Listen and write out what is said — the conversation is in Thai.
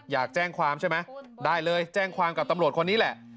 อยากแจ้งความใช่ไหมได้เลยแจ้งความกับตำรวจคนนี้แหละ